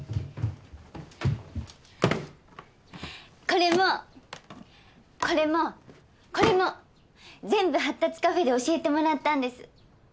これもこれもこれも全部発達カフェで教えてもらったんです。